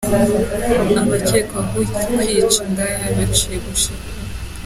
Abakekwaho kwica indaya batangiye gushyikirizwa ubutabera